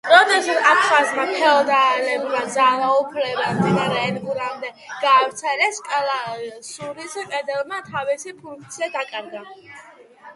როდესაც აფხაზმა ფეოდალებმა ძალაუფლება მდინარე ენგურამდე გაავრცელეს, კელასურის კედელმა თავისი ფუნქცია დაკარგა.